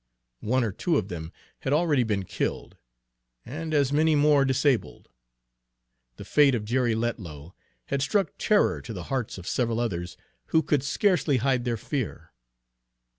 One or two of them had already been killed, and as many more disabled. The fate of Jerry Letlow had struck terror to the hearts of several others, who could scarcely hide their fear.